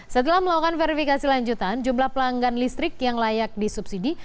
setelah melakukan verifikasi lanjutan jumlah pelanggan listrik yang layak disubsidi